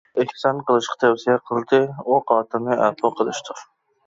ئېھسان قىلىشقا تەۋسىيە قىلدى، ئۇ قاتىلنى ئەپۇ قىلىشتۇر.